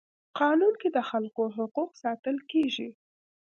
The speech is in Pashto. قانون کي د خلکو حقوق ساتل کيږي.